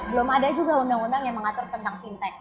belum ada juga undang undang yang mengatur tentang fintech